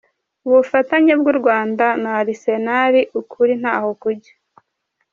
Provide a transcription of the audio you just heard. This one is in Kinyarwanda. Ubufatanye bw’u Rwanda na Arsenal: Ukuri ntaho kujya.